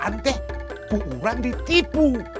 itu orang ditipu